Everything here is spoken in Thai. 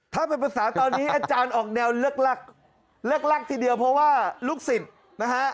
ถ้าเป็นภาษาตอนนี้อาจารย์ออกแนวเลิกลักทีเดียวเพราะว่าลูกศิษย์นะฮะ